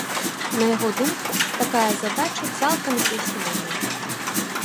На яго думку, такая задача цалкам здзяйсняльная.